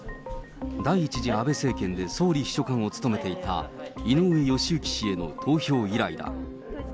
第１次安倍政権で総理秘書官を務めていた井上義行氏への投票依頼だ。